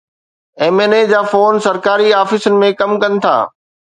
M N A جا phone سرڪاري آفيسن ۾ ڪم ڪن ٿا.